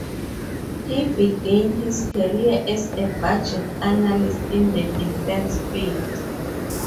He began his career as a budget analyst in the defense field.